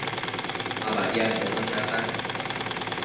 Ma badiadbono chiata